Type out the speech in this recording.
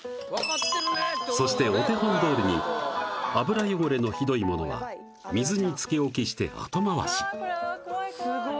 そしてお手本どおりに油汚れのひどいものは水に浸け置きして後回し怖い怖い